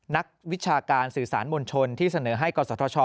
นักวิชาการสื่อสารมวลชนที่เสนอให้กศธช